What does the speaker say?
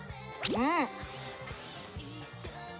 うん！